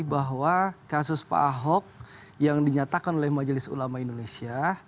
bahwa kasus pak ahok yang dinyatakan oleh majelis ulama indonesia